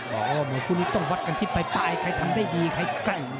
อ๋อหมอผู้นี้ต้องวัดกันทิศไปปายใครทำได้ดีใครแกร่ง